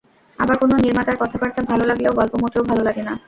আবার কোনো নির্মাতার কথাবার্তা ভালো লাগলেও গল্প মোটেও ভালো লাগে না।